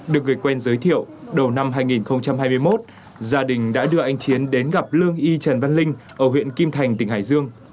được người quen giới thiệu đầu năm hai nghìn hai mươi một gia đình đã đưa anh chiến đến gặp lương y trần văn linh ở huyện kim thành tỉnh hải dương